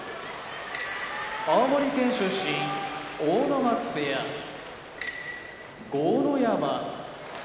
青森県出身阿武松部屋豪ノ山